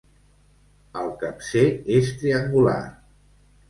Al capcer és triangular.